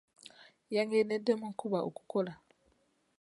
Yagendedde mu nkuba okukola.